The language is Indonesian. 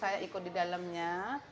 saya ikut di dalamnya